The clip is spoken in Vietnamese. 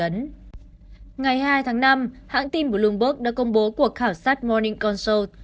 ngày hai tháng năm hãng tin bloomberg đã công bố cuộc khảo sát morning consal